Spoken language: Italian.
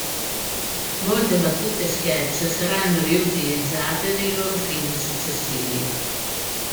Molte battute e sketch saranno riutilizzate nei loro film successivi.